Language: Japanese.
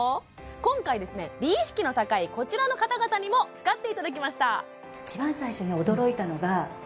今回ですね美意識の高いこちらの方々にも使っていただきました